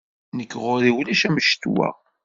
Nekk ɣur-i ulac am ccetwa.